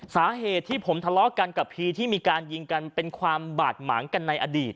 สาเหตุที่ผมทะเลาะกันกับพีที่มีการยิงกันเป็นความบาดหมางกันในอดีต